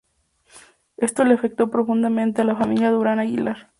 Ésto le afecto profundamente a la familia Durán Aguilar.